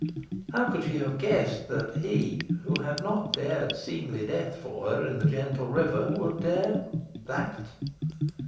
How could she have guessed that he, who had not dared seemly death for her in the gentle river, would dare THAT?